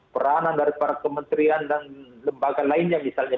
peranan daripada kementerian dan lembaga lainnya misalnya